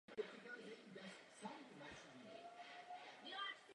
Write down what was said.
Po celé roky mlčíte, a potom dokonce uvolníte normy.